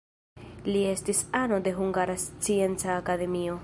Li estis ano de Hungara Scienca Akademio.